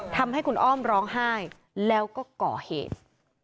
ทำให้คุณอ้อมร้องไห้แล้วก็ก่อเหตุ